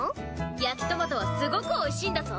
焼きトマトはすごくおいしいんだぞ！